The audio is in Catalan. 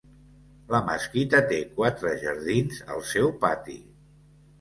La mesquita té quatre jardins al seu pati.